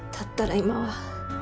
今は